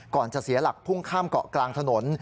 จะเสียหลักพุ่งข้ามเกาะกลางถนน